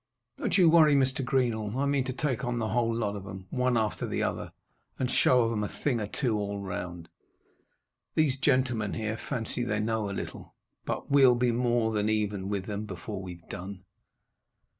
"Don't you worry, Mr. Greenall. I mean to take on the whole lot of 'em, one after the other, and show 'em a thing or two all round. These gentlemen here fancy they know a little, but we'll be more than even with them before we've done."